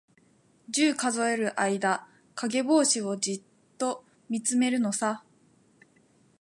十、数える間、かげぼうしをじっとみつめるのさ。